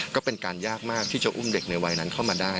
ก็เป็นการยากมากที่จะอุ้มเด็กในวัยนั้นเข้ามาได้